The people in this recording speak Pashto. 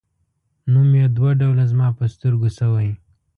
نوم یې دوه ډوله زما په سترګو شوی.